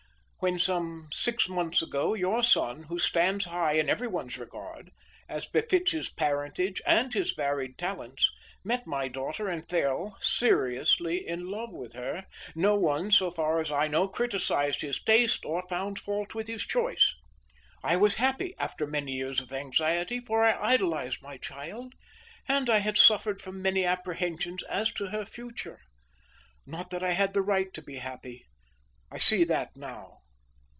When some six months ago, your son, who stands high in every one's regard, as befits his parentage and his varied talents, met my daughter and fell seriously in love with her, no one, so far as I know, criticised his taste or found fault with his choice. I was happy, after many years of anxiety; for I idolised my child and I had suffered from many apprehensions as to her future. Not that I had the right to be happy; I see that now.